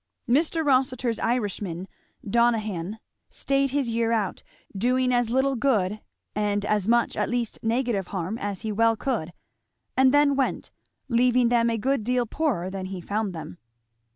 Mr. Rossitur's Irishman, Donohan, staid his year out, doing as little good and as much at least negative harm as he well could; and then went, leaving them a good deal poorer than he found them.